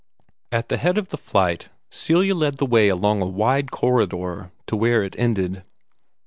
At the head of the flight, Celia led the way along a wide corridor to where it ended.